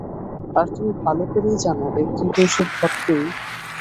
আর তুমি ভালো করেই জানো, একদিন তো এসব ঘটবেই।